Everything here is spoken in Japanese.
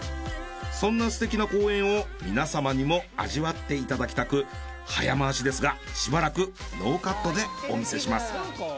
そんなすてきな公園を皆様にも味わっていただきたく早回しですがしばらくノーカットでお見せします。